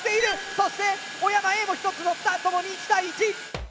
そして小山Ａも１つのった共に１対１！